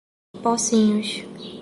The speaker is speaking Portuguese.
Pocinhos